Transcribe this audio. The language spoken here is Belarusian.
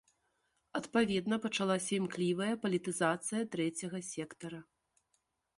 Адпаведна, пачалася імклівая палітызацыя трэцяга сектара.